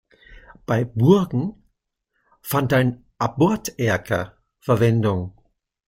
Bei Burgen fand ein Aborterker Verwendung.